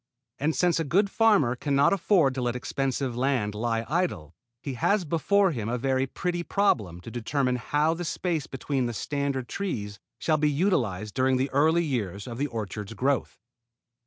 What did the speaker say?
And since a good farmer can not afford to let expensive land lie idle he has before him a very pretty problem to determine how the space between the standard trees shall be utilized during the early years of the orchard's growth.